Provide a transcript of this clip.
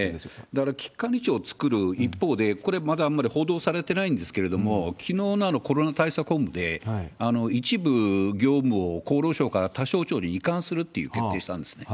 だから、危機管理庁を作る一方で、これ、まだあまり報道されてないんですけれども、きのうのコロナ対策本部で、一部業務を厚労省から他省庁に移管するって決定したんですね。